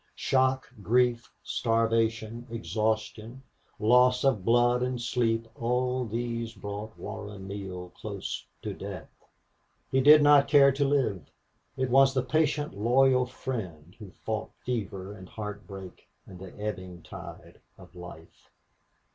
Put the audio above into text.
Shock, grief, starvation, exhaustion, loss of blood and sleep all these brought Warren Neale close to death. He did not care to live. It was the patient, loyal friend who fought fever and heartbreak and the ebbing tide of life.